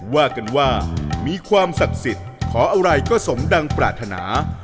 ว่ากันว่ามีความศักดิ์สิทธิ์ขออะไรก็สมดังปรารถนา